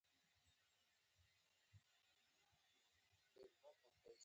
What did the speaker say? خدای به خیر کړي.